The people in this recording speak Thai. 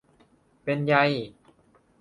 เป็นไย